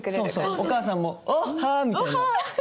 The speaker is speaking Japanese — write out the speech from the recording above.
お母さんも「おっはー」みたいな。